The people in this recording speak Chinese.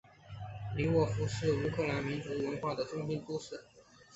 利沃夫是乌克兰民族文化的中心都市。